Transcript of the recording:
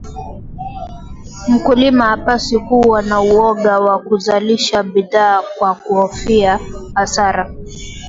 mkulima hapaswi kuwa na Uoga wa kuzalisha bidhaa kwa kukuhofia hasara